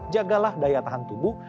jagalah daya tahan tubuh